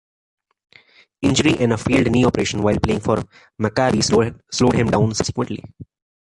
Injury and a failed knee operation while playing for Maccabi slowed him down subsequently.